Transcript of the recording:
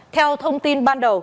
theo thông tin ban đầu